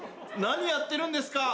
何やってるんですか！